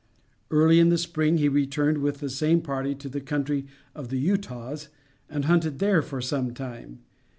Early in the spring he returned with the same party to the country of the Utahs and hunted there for some time.